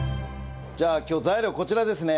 じゃあ今日材料こちらですね。